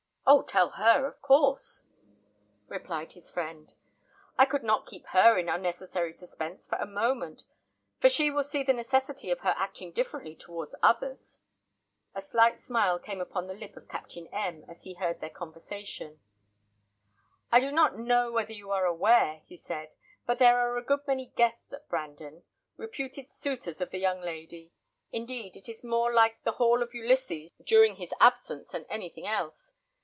"Oh! tell her, of course," replied his friend. "I would not keep her in unnecessary suspense for a moment; and she will see the necessity of her acting differently towards others." A slight smile came upon the lip of Captain M as he heard their conversation. "I do not know whether you are aware," he said, "that there are a good many guests at Brandon: reputed suitors of the young lady. Indeed, it is more like the hall of Ulysses during his absence than anything else.